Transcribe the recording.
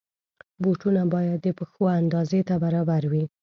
بوټونه باید د پښو اندازې ته برابر وي.